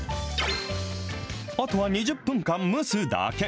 あとは２０分間蒸すだけ。